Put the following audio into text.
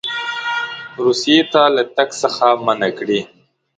روسیې ته له تګ څخه منع کړي.